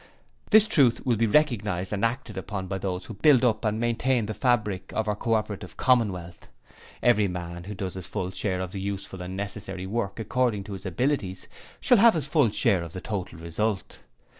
This truth will be recognized and acted upon by those who build up and maintain the fabric of our Co operative Commonwealth. Every man who does his full share of the useful and necessary work according to his abilities shall have his full share of the total result.